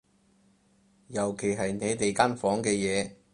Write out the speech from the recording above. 尤其係你哋間房嘅嘢